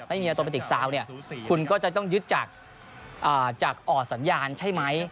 ไม่มีอโตเมติกซาวน์เนี่ยคุณก็จะต้องยึดจากอ่อสัญญาณใช่ไหม